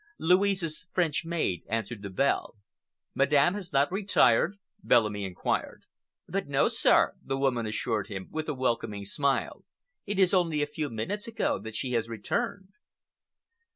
Louise's French maid answered the bell. "Madame has not retired?" Bellamy inquired. "But no, sir," the woman assured him, with a welcoming smile. "It is only a few minutes ago that she has returned."